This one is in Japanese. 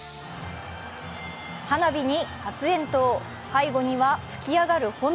花火に発炎筒、背後には噴き上がる炎。